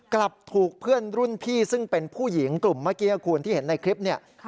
กลับถูกเพื่อนรุ่นพี่ซึ่งเป็นผู้หญิงกลุ่มเมื่อกี้คุณที่เห็นในคลิปเนี่ย